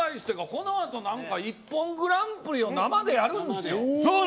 この後ＩＰＰＯＮグランプリを生でやるんですよ。